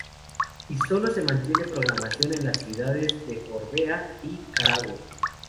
Y solo se mantiene programación en las ciudades de Gorbea y Carahue.